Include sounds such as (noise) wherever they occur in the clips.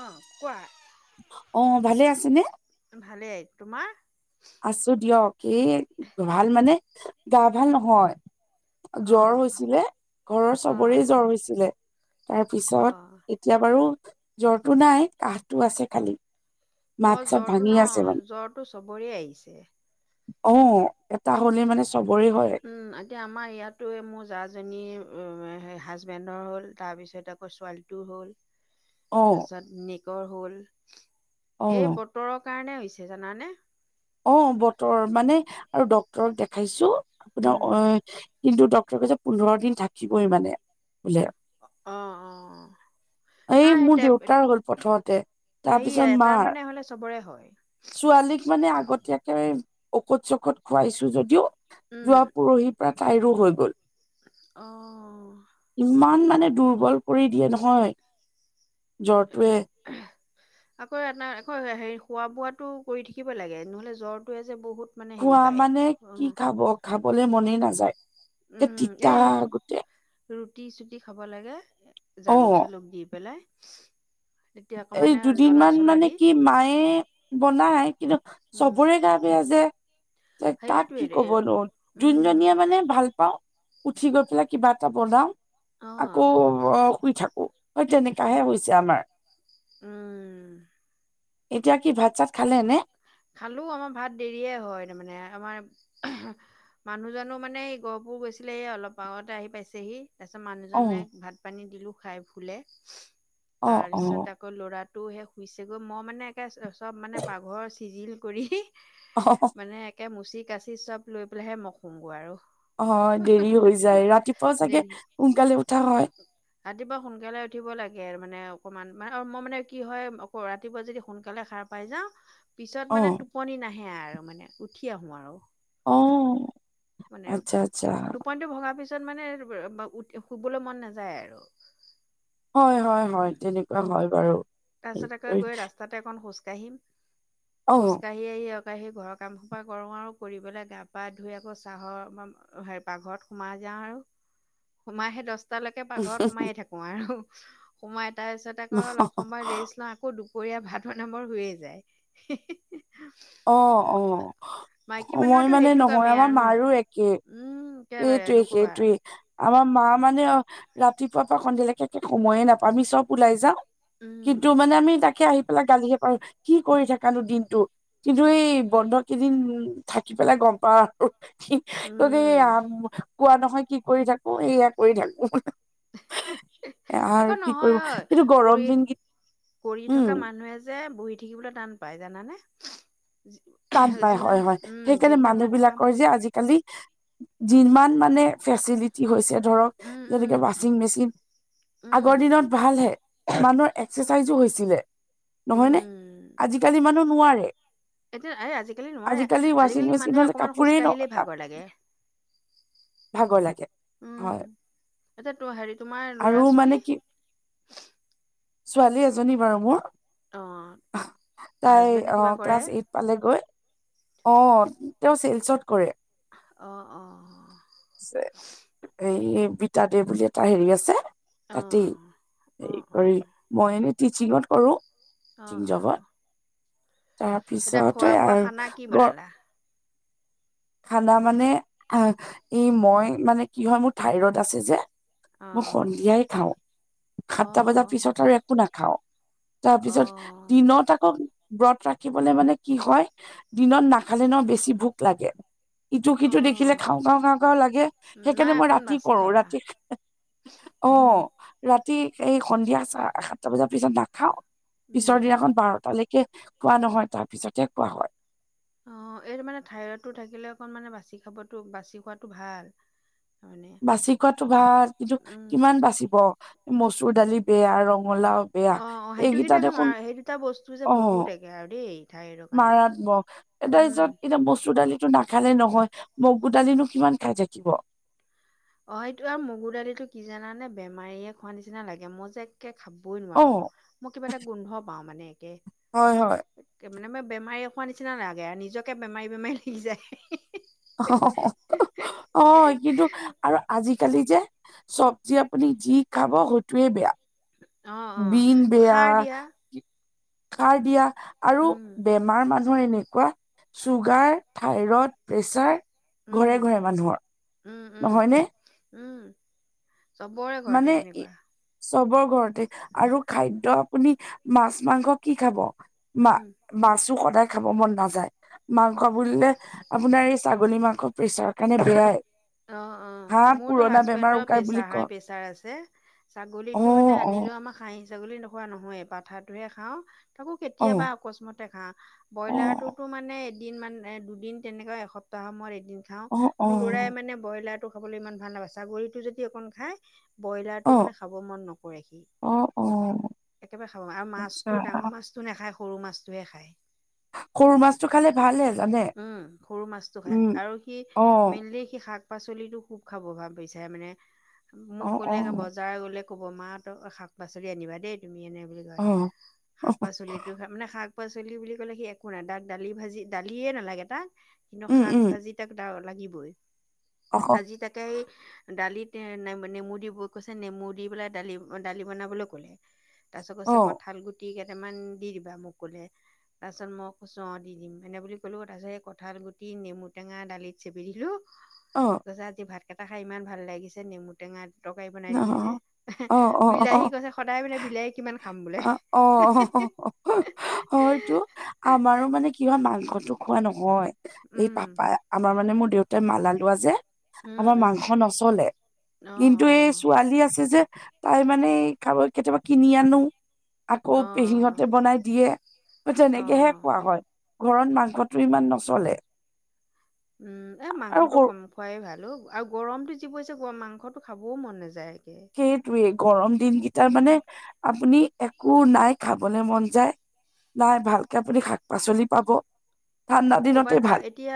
অ' কোৱা। অ' ভালে আছেনে? ভালে, তোমাৰ? আছোঁ দিয়ক। এ ভাল মানে, গা ভাল নহয়। জ্বৰ অ', হৈছিলে। ঘৰৰ চবৰে অ', জ্বৰ হৈছিলে। তাৰ পিছত অ', অ', এ তিয়া বাৰু জ্বৰটো নাই, কাহটো আছে খালি। মাত-চাত ভাঙি আছে মানে। টো চবৰে আহিছে। অ', এটা হ'লে মানে চবৰে হয়। উম, এতিয়া আমাৰ ইয়াতো মোৰ জাজনীৰ অ'- হাজবেণ্ডৰ হ'ল, তাৰপিছত আকৌ ছোৱালী টো হ'ল। (unintelligible) তাৰপিছত নেকৰ হ'ল। অ এই বতৰৰ কাৰণে হৈছে, জানানে? অ' বতৰ মানে- আৰু ডাক্তৰক দেখাইছোঁ। আপোনাৰ উম, অ' কিন্তু ডক্টৰে কৈছে পোন্ধৰ দিন থাকিবই মানে বোলে। অ' - অ'। এই নাই সেই মোৰ টেব দেউতাৰ হ'ল প্ৰথমতে। হেৰি তাৰপিছত এটা মাৰ। মানে হ'লে চবৰে হয়। ছোৱালীক মানে আগতীয়া কে ঔষধ-চৌষধ খুৱাইছোঁ যদিও, উম, যোৱা পৰহিৰ পৰা তাইৰো হৈ গ'ল। অ'। ইমান মানে দুৰ্বল কৰি দিয়ে নহয়। এন (unintelligible) আকৌ এটা- আকৌ হেৰি খোৱা-বোৱাটো কৰি থাকিব লাগে। নহ'লে জ্বৰটোৱে যে বহুত মানে হেৰি খোৱা পায়। মানে, কি খাব? খাবলে মনেই নাযায়। একে তিতা গোটে। ৰুটি-চুটি খাব লাগে, অ জালুক-চালুক দি পেলাই। তেতিয়া এই অকমানে জ্বলা দুদিনমান চলা মানে দি কি, মায়ে বনায়, কিন্তু উম। চবৰে গা বেয়া যে তে কাক কি সেইটোৱে ক'ব নো? উম যোনজনীয়ে মানে ভাল পাওঁ উঠি গৈ পেলাই কিবা এটা বনাওঁ। অ আকৌ অ'- শুই থাকোঁ। অ' তেনেকাহে হৈছে আমাৰ। উম। এতিয়া কি ভাত-চাত খালে নে? খালো। আমাৰ ভাত দেৰিয়ে হয়, তাৰমানে আমাৰ মানুহজনো মানে এই গহপুৰ গৈছিলে, এই অলপ আগতে আহি পাইছেহি। তাৰপিছত অ মানুহজনে ভাত-পানী দিলোঁ, খাই শুলে। অ অ তাৰপিছত আকৌ লৰাটো সে শুইছেগৈ মই মানে একে চব মানে পাকঘৰ চিজিল কৰি অ মানে একে মুচি কাচি চব লৈ পেলাইহে মই শুংগৈ আৰু অ দেৰি হৈ যায় ৰাতিপুৱা চাগে দেৰি সোনকালে উঠা হয় ৰাতিপুৱা সোনকালে উঠিব লাগে মানে অকমান মানে মই মানে কি হয় অক ৰাতিপুৱা যদি সোনকালে সাৰ পাই যাওঁ পিছত অ মানে টোপনি নাহে আৰু মানে উঠি আহো আৰু অ মানে আচ্ছা আচ্ছা টোপনিটো ভগা পিছত মানে শুবলৈ মন নাযায় আৰু হয় হয় হয় তেনেকুৱা হয় বাৰু তাৰ পিছত আকৌ হেৰি গৈ ৰাস্তাতে এখন খোজ কাঢ়িম অ খোজকাঢ়ি আহি আহি আক ঘৰৰ কাম সুপা কৰোঁ আৰু কৰি পেলাই গা পা ধুই আকৌ চাহৰ হে পাকঘৰত সোমাই যাওঁ আৰু সোমাইহে দহ টালৈকে পাকঘৰত সোমাইয়ে থাকো আৰু সোমাই তাৰ পিছত অ অ অ ৰেছ লৌ আকৌ দুপৰীয়া ভাতৰ বনাবৰ হৈয়ে যায় অ অ মাইকী মই মানুহৰতো মানে সেইটো নহয় কামেই আমাৰ আৰু ন মাৰো একে উম একেবাৰে এইটোৱে নকবা সেইটোৱে আমাৰ মা মানে ৰাতিপুৱাৰ পৰা সন্ধিয়ালৈকে একে সময়ে নাপায় আমি চব ওলাই যাওঁ উম কিন্তু মানে আমি তাকে আহি পেলাই গালিহে পাৰো কি কৰি থাকানো দিনটো কিন্তু এই বন্ধ কেইদিন থাকি পেলাই গম পাওঁ আৰু কি তহঁতি উম কোৱা নহয় কি কৰি থাকো এয়া কৰি থাকো আৰু আকৌ কি নহয় কৰিব ঐ কিন্তু কৰি গৰম দিন কি কৰি থকা উম মানুহে যে বহি থাকিবলে টান পায় জানানে টান পায় যিবিলাক হয়-হয়। উম সেইকাৰণে যিবিলাক মানুহ মানুহে কাম বিলাকৰ যে আজিকালি যিমান মানে ফেচিলিটি হৈছে ধৰক। উম উম যেনেকে ৱাচিং মেচিন উম আগৰ দিনত ভাল হে মানুহৰ এক্সাৰচাইজো হৈছিলে। নহয় নে উম, আজিকালি মানুহ নোৱাৰে এতিয়া এই আজিকালি নোৱাৰে আজিকালি ৱাশ্বিং আজিকালি মেচিন মানুহে হলে অকণমান খোজ কাপোৰেই ন কাঢ়িলেই ভাগৰ লাগে ভাগৰ লাগে উম, হয় এতিয়া তো হেৰি তোমাৰ ল'ৰা আৰু মানে ছোৱালী কি ছোৱালী এজনী বাৰু মোৰ অ' তাই হাজবেণ্ডে অ কিবা কৰে? ক্লাছ এইট পালে গৈ অ তেওঁ চেলচত কৰে অ অ এই বিতাদে বুলি এটা হেৰি আছে অ' অ' তাতেই হে অ' অ' কৰি মই এনেই টিচিঙত কৰো। অ টিচিং অ জবত এতিয়া খোৱা তাৰপিছতে বোৱা আৰু খানা কি গ বনালা? খানা মানে আহ এই মই মানে কি হয় মোৰ ঠাইৰড আছে যে, মই অ' সন্ধিয়াই খাওঁ সাতটা বজাৰ অ' পিছত আৰু একো নাখাওঁ। তাৰপিছত অ' দিনত আকৌ ব্ৰত ৰাখিবলে মানে কি হয় দিনত নাখালে ন বেছি ভোক লাগে। ইটো সিটো দেখিলে অ' খাওঁ-খাওঁ-খাওঁ-খাওঁ লাগে নাই সেইকাৰণে মই অকণ ৰাতি বাচি কৰো। খাবা। ৰাতি উম, অ', ৰাতি সেই সন্ধিয়া চ সাতটা বজাৰ পিছত নাখাওঁ পিছৰ উম। দিনাখন বাৰটালে কে খোৱা নহয় তাৰ পিছতহে খোৱা হয়। অ', এইটো মানে থাইৰইডটো থাকিলে অকণ মানে বাচি খাবতো বাচি খোৱাটো ভাল। তাৰমানে। বাচি খোৱাটো ভাল কিন্তু উম। কিমান বাচিব মচুৰ দালি বেয়া ৰঙালাও বেয়া অ অ সেইটো এইকেইটা কিন্তু একে দেখোন মাৰ সেই দুটা বস্তু যে অহ, বহুত একে আৰু দেই থাইৰইডৰ কাৰণে মাৰাত্মক। (unintelligible) উম এতিয়া, মচুৰ দালিটো নাখালে, নহয়। মগু দালিনো, কিমান খাই থাকিব। অ'! সেইটো আৰু মগুৰ দালিটো, কি জানেনে! বেমাৰীয়ে খোৱা নিচিনা লাগে। মই, যে খাবই অ নোৱাৰোঁ। মই কিবা এটা, গোন্ধ পাওঁ। মানে, একে। হয়, হয়। একে মানে, মই বেমাৰীয়ে খোৱা নিচিনা লাগে। নিজকে, বেমাৰী-বেমাৰী লাগি যায়। (unintelligible) অ'! কিন্তু, আৰু আজিকালি, যে চবজি, আপুনি যি খাব, সেইটোৱে বেয়া। অ অ বিন বেয়া, সাৰ দিয়া সাৰ দিয়া আৰু উম বে আমাৰ, মানুহৰ এনেকুৱা, চুগাৰ, থাইৰইড, প্ৰেচাৰ। ঘৰে উম, ঘৰে মানুহৰ উম-উম, নহয়নে উম! চবৰে ঘৰতে মানে, তেনেকুৱা চবৰ ঘৰতে আৰু খাদ্য আপুনি, মাছ- মাংস কি খাব? মা উম মাছো, সদায় খাব মন নাযায়। মাংস বুলিলে, আপোনাৰ এই ছাগলী মাংস, প্ৰেচাৰৰ কাৰণে, বেয়াই। অ'! হা অ'! মোৰতো পুৰণা বেমাৰ হাজবেণ্ডৰ উকাই বুলি প্ৰেচাৰ, হাই- কয় প্ৰেচাৰ। (unintelligible) আছে। অ ছাগলীটো মানে, অ আনিলেও আমাক খাহী ছাগলী, নোখোৱা নহয়, পাঠাটোহে খাওঁ। তাকো, অ কেতিয়াবা অকস্মাতে, খাওঁ। অ ব্ৰইলাৰটোতো, মানে দুদিন মান, দুদিন তেনেকুৱা, এসপ্তাহ সময়, এদিন খাওঁ। অ মোৰ ল'ৰাই অ মানে, ব্ৰইলাৰটো খাবলৈ ইমান ভাল নাপাই, ছাগলিটো যদি, অকণ খায়। অ ব্ৰইলাৰতটো মানে, খাব মন নকৰে, সি। অ অ একেবাৰে, খাব আৰু আচ্ছা মাছটো, ডাঙৰ মাছ নাখায়, সৰু মাছটোৱে খায়। সৰু মাছটো খালে (unintelligible) ভালহে জানে উম! সৰু মাছটো খায়। উম আৰু সি, অ মেইনলি, সি শাক পাচলটো খুউব খাব, ভাল পাইছে মানে। অ মোক ক'লে, অ বাজাৰ গ'লে মানে, মোক ক'ব, মা (unintelligible) শাক-পাচলি আনিবা দেই, তুমি? এনে বুলি কয়। অ শাক-পাচলি মানে, শাক-পাচলি বুলি ক'লে, সি একো নাই। তাক, দালি-ভাজি, দালিয়ে নালাগে, তাক। কিন্তু, উম উম শাক-ভাজি, তাক লাগিবই। অ অ আজি, তাকে দালিত, এই নেমু দি কৈছে, নেমু দি পেলাই, দালি- দালি বনাবলৈ ক'লে। তাৰপিছত অ কৈছে, কঁঠাল গুটি কেইটামান দি দিবা? মোক ক'লে। তাৰপিছত, মই কৈছো, অ'! দি দিম, এনে বুলি ক'লো। তাৰপিছত, এই কঠাল গুটি, নেমুটেঙা দালিত চেপি দিলোঁ। অ'! কৈছে, আজি ভাত কেইটা খাই, ইমান ভাল লাগিছে! নেমু টেঙাত। তৰকাৰি বনাই দিলোঁ, যে। অ অ বিলাহী কৈছে, সদায় মানে, বিলাহী কিমান খাম বোলে। অ'! অ' অ'! হয়তো! আমাৰো মানে, কিবা মাংসটো, খোৱা নহয়। এই উম, পাপাই, আমাৰ মানে, মোৰ দেউতাই মালা লোৱা যে। উম, আমাৰ উম, মাংস নচলে। অ', কিন্তু, এই অ', ছোৱালী আছে যে। তাই মানে, খাবলৈ কেতিয়াবা, কিনি আনোঁ। আকৌ, পেহীহঁতে অ', বনাই দিয়ে, অ', তেনেকেহে অ', খোৱা হয়। ঘৰত মাংসটো, ইমান নচলে। উম! এ, আৰু মাংসটো সৰু কম খোৱাই, ভাল অ'! গৰমতটো, যি পৰিছে, মাংসটো খাবও মন নাযায়। একে। সেইটোৱে, গৰম দিনকেইটাৰ উম, মানে, আপুনি, একো নাই, খাবলৈ মন যায়। নাই, ভালকে আপুনি, শাক -পাচলি পাব। আকৌ ঠাণ্ডা ক'ৰবাত দিনতে যা ভাল। এতিয়া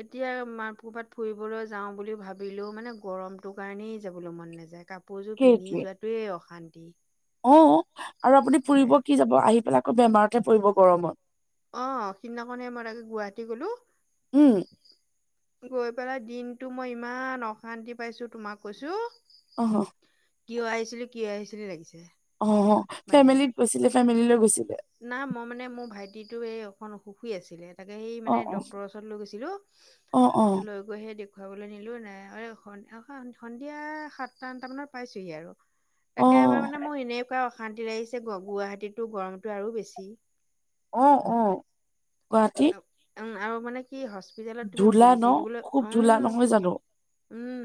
এতিয়া, মা ক'ৰবাত ফুৰিবলৈ যাওঁ, বুলি ভাবিলেও মানে, গৰমটো কাৰণেই, যাবলৈ মন নাযায়। কাপোৰ কাপোৰযোৰ, পিন্ধি সেইটোৱে। যোৱা তোৱেই অশান্তি। অ'! আৰু আপুনি ফুৰিব একেবাৰে। কি যাব? আহি পেলাই আকৌ, বেমাৰতহে পৰিব গৰমত। অ'! সিদিনা খনে, মই তাকে, গুৱাহাটী গলোঁ। উম গৈ পেলাই, দিনটো মই ইমান, অশান্তি পাইছোঁ! তোমাক কৈছোঁ। অঁহ, (unintelligible) কিয় আহিছিলি, কিযে আহিছিলি লাগিছে? অ মানে ফেমিলিত গৈছিলে, ফেমিলি লৈ গৈছিলে। না মই মানে মোৰ ভাইটিটো, এই অকণ অসুসী আছিলে। তাকে সেই অ মানে ডক্তৰৰ ওচৰৰত লৈ গৈছিলো, অ অ লৈ‌ গৈহে দেখুৱাবলৈ নিলো, নাই (unintelligible) সন্ধিয়া সাতটা-আটতা মানত পাইছোহি আৰু। অ অ একেবাৰে মানে মোৰ এনেকুৱা অশান্তি লাগিছে, গ গুৱাহাটীতো গৰমটো আৰু বেছি। অঁ অঁ। উম আৰু মানে কি হস্পিতেলত তুমি ধূলা বহি ন থাকিবলৈ খুব উ ধূলা নহয় জানো ওম,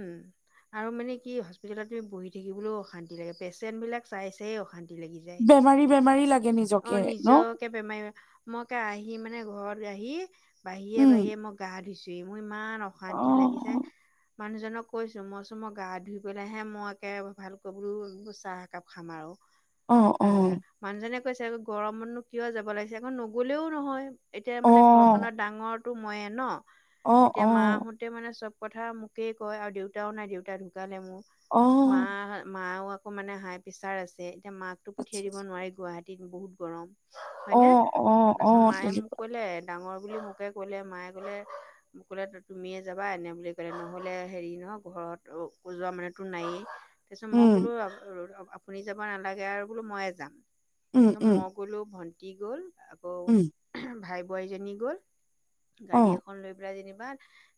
আৰু মানে কি? হস্পিটেলত তুমি বহি থাকিবলৈও অশান্তি লাগে, পেচেণ্ট বিলাক চাই চাই অশান্ত বেমাৰী বেমাৰী লাগে অ নিজকে ন নিজকে বেমাৰী, ম‌ই‌ কে আহি মানে ঘৰত আহি, বাহিয়ে উম বাহিয়ে মোক গা ধুইছোহি। মোৰ ইমান অ অশান্তি লাগি যায় মানুহজনক কৈছো, মই কৈচো মই গা ধুই পেলাইহে মই একে ভালকৈ বো চাহ একাপ খাম আৰু। অ অ মানুহজনে কৈছে, গৰমতনো কিয় যাব লাগিছে? আকৌ নগলেও নহয়। এতিয়া অ মানে, ঘৰখনত ডাঙৰটো ময়ে ন? অ অ এতিয়া মাহত তে মানে চব কথা মোকেই কয় আৰু দেউতাও নাই, দেউতা ঢুকালে মোৰ। অ মা, মাও আকৌ মানে হাই প্ৰেচাৰ আছে। এতিয়া মাকো আচ্ছা পঠিয়াই দিব আচ্ছা। নোৱাৰি, গুৱাহাট টিত বহুত গৰম অ হয়নে? অ তাৰ অ পিছত মায়ে মোক তেনেকুৱা লে ডাঙৰ বুলি মোকে কলে, মায়ে কলে মোক কলে, তুমিয়ে যাবা এনে বুলি কলে। নহলে হেৰি নহয়, ঘৰত উজোৱা মানোতো নায়েই। তাৰপিছত মই উম ক'লো, আপুনি যাব নালাগে আৰু বোলো মইয়ে যাঙ। উম তাৰপিছত উম মই গলো ভন্টি গ'ল। আকৌ উম ভাই বোৱাইজনী গ'ল অ গাড়ী এখ লৈ পেলাই যেনিবা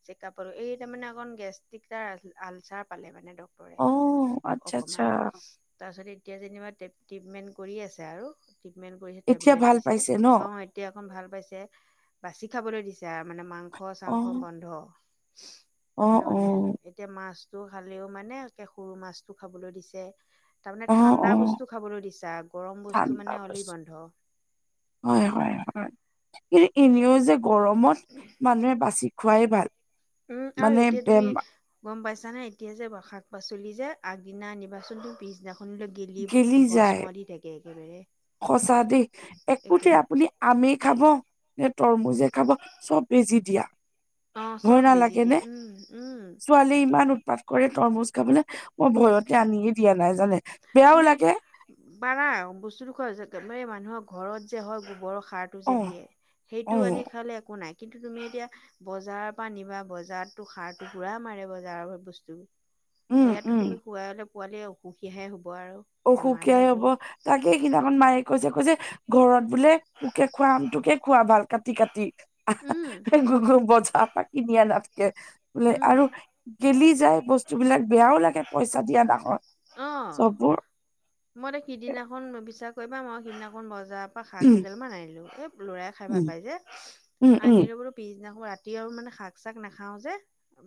চেকআপো এই তাৰমানে অকণ গেষ্ট্ৰিকাৰ আলচাৰ পালে মানে, ড ক্টৰে, অ আচ্ছা আচ্ছা অকমান তাৰ পিছত এতিয়া যেনিবা ট্ৰিটমেন্ট কৰি আছে আৰু। ট্ৰিটমেণ্ট কৰিছে, এতিয়া টেবলেট ভাল দিছে পাইছে ন অঁ, এতিয়া অকণ ভাল পাইছে বাছি খাবলৈ দিছ এতিয়া মানে মাংস চাংস অ', বন্ধ, অ', এই মানে অ', এতিয়া মাছতটো খালেও, মানে একে সৰু মাছটো খাবলৈ দিছে। তাৰমানে অ', ঠাণ্ডা অ', বস্তু খাবলৈ দিছা, গৰম বস্তু ঠাণ্ডা মানে অইলি বস্তু বন্ধ। হয় হয় হয়। এই এনেও যে গৰমত মানুহে বাচি খুৱাই‌ ভাল। উম, আৰু মানে এতিয়া তুমি বেমা গম পাইছা নে এতিয়া যে শাক পাচলি যে, আগদিনা আনিবাচোন, পিছদিনাখন গিলিব গেলি যায় ভস্ম দি থাকে, একেবাৰে। সঁচা দেই। একে একোটে আপুনি আমে খাব, নে তৰমুজেএ খাব, চব বেজি দিয়া। অ চব বেজি দিয়ে। উম উম। ছোৱালী ইমান উৎপাত কৰে তৰমুজ খাবলে। মই উম ভয়তে আনিয়ে দিয়া নাই জানে? বেয়াও তুমি লাগে পাৰা বস্তুটো খ মানুহৰ ঘৰত যে হয় গোবৰৰ সাৰ, যে অ', দিয়ে, সেইটো অ', আনি খালে একো নাই। কিন্তু তুমি এতিয়া বজাৰৰ পৰা নিবা, বজাৰততো সাৰতো পুৰা মাৰে বজাৰৰ বস্তুবোৰ। উম, সেইয়াতো উম। তুমি খোৱলে পোৱালি অসুখীহে হ'ব আৰু। অসুখীয়াই হব। তাকে স সিদিনাখন মায়ে কৈছে, কৈছে ঘৰত বোলে পুকে খোৱা আম তুকে খোৱা ভাল কাটি, কাটি আহ, উম হা বজা পা কিনি আনাতকে, বোলে উম আৰু গেলি যায় বস্তু বস্তুবিলাক বেয়াও লাগে, পইচা দিয়া ডাখন। অঁ, মই ত সিদিনাখন বিশচাস কৰিবা, মই সিদিনাখন বজাৰ শাক উম দুডাল মান আনিলো। এই লৰাই খাই ভাল উম পাই যে। উম উম আনিলো বোলো পিছদিনাখন ৰাতি আৰু মানে শাক-চাক নাখাও যে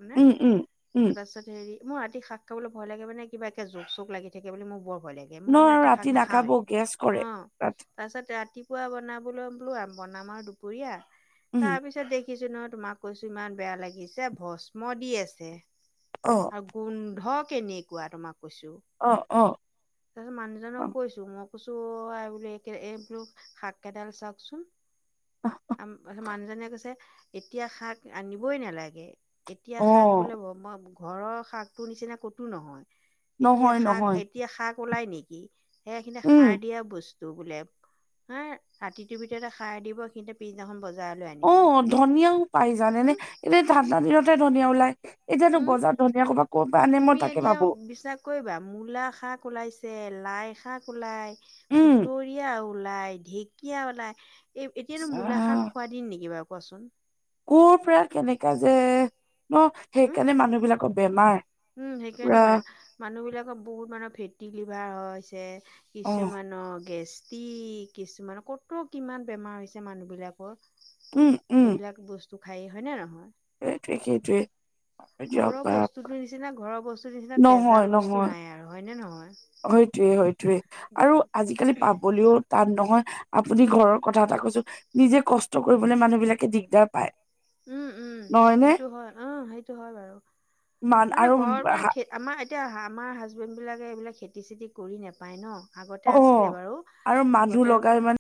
মানে, উম উম উম তাৰপিছত হেৰি মোৰ ৰাতি শাক খাবলৈ ভয় লাগে মানে কিবা একে জোক চোক লাগি থাকে বুলি মোৰ বৰ ভয় লাগে। গে ন মই সেইকাৰণে আৰু ৰাতি শাক নাখাব নাখাওৱেই। গেছ কৰে অ। ৰাতি তাৰপিছত ৰাতিপুৱা বনাবলৈ বোলো বনাম আৰু দুপৰীয়া উম তাৰপিছত দেখ দেখিছো নহ তোমাক কৈছো ইমান বেয়া লাগিছে ভস্ম দি আছে। অ। আৰু গোন্ধ কেনেকুৱা তোমাক কৈছো। অ, অ। তাৰপিছত অ মানুহজনক কৈছো মই কৈছো অ আই বোলো এইকে এইটো শাককেইডাল চাওকচোন। আম তাৰপিছত মানুহজনীয়ে কৈছে এতিয়া শাক আনিবই নালাগে। এতিয়া অ শাক বোলে মই ঘৰৰ শাকটোৰ নিচিনা ক'তো নহয়। এতিয়া নহয় শাক নহয় এতিয়া শাক ওলাই নেকি? সেইখিনি উম সাৰ দিয়া বচ টো বোলে। হা ৰাতিটোৰ ভিতৰতে সাৰ দিব সিহঁতে পিছদিনাখন বজাৰলে আ অ ধনিয়াও পাই জানেনে এনে ঠাণ্ডা দিনতহে ধনিয়া ওলায়। এতিয়াতো হম বজাৰত ধনীয়া সোপা ক'ৰ পৰা আনে মই তাকে ভাবো। কৈবা মূলা শাক ওলাইছে, লাই শাক ওলাই, উম সুতৰীয়া ও ওলাই ঢেকীয়া ওলাই, এই এতিয়াতো মূলা শাক আহ খোৱা দিন নেকি বাৰু কোৱাচোন। ক'ৰ পৰা কেনেকে যে অ হম সেইকাৰণে মানুহ বিলাকৰ বেমাৰ, উম সেইকাৰণে পুৰা মানে মানুহবিলাকৰ বহুত মানৰ ফেটি লিভাৰ হৈছে, অ কিছুমানৰ গেছ টিক কিছুমানৰ ক'ত কিমান বেমাৰ হৈছে মানুহবিলাকৰ। উম উম এইবিলাক বস্তু খায়েই। হ'য় নে নহয়? সেইটোৱে, সেইটোৱে। ঘৰৰ দিয়ক বা বস্তুটোৰ নিচিনা, ঘৰৰ বস্তুটোৰ নিচিনা নহয় তেজাল বস্তু নাই আৰু হ'য়নে নহয়? হ'য়টোৱে, হ'য়টোৱে আৰু আজি-কালি পাব হলেও তাত নহয়। আপুনি ঘৰৰ কথা এটা কৈছো নিজে কষ্ট কৰিবলে মানুহবিলাকে দিগদাৰ পায়। উম, উম নহয় নে সেইটো হয়, উম সেইটো হয় বাৰু। মান তাৰমানে আৰু ঘৰৰ পৰা হা- খেত আমাৰ এতিয়া আমাৰ হাজবেণ্ড বিলাকে এইবিলাক খেতি-চেতি কৰি নেপায় ন। আগতে অ আছিলে বাৰু। আৰু মানুহ লগাই আগতে মানে